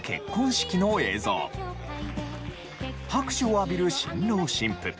拍手を浴びる新郎新婦。